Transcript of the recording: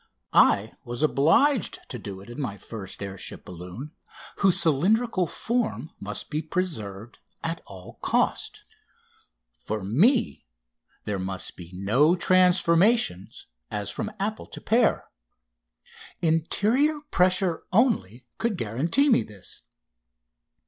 I was obliged to do it in my air ship balloon, whose cylindrical form must be preserved at all cost. For me there must be no transformations as from apple to pear. Interior pressure only could guarantee me this.